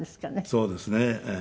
そうですね。